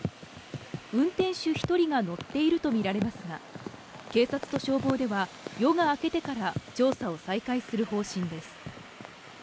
運転手１人が乗っていると見られますが、警察と消防では、夜が明けてから調査を再開する方針です。